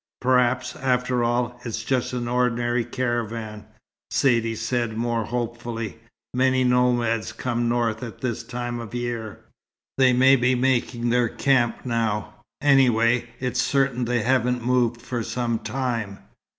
"Perhaps after all, it's just an ordinary caravan," Saidee said more hopefully. "Many nomads come north at this time of year. They may be making their camp now. Anyway, its certain they haven't moved for some time."